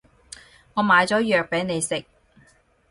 我買咗藥畀你食